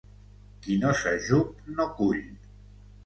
Qui no s'ajup, no cull.